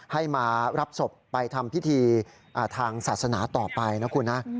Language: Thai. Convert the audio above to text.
ให้มารับศพไปทำพิธีทางศาสนาต่อไปนะคุณนะ